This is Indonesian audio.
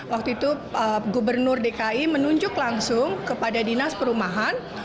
waktu itu gubernur dki menunjuk langsung kepada dinas perumahan